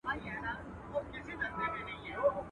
o بد مه راسره کوه، ښه دي نه غواړم.